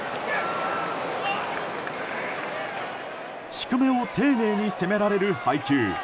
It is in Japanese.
低めを丁寧に攻められる配球。